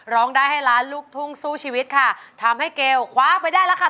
ร้องได้ให้ล้านลูกทุ่งสู้ชีวิตค่ะทำให้เกลคว้าไปได้แล้วค่ะ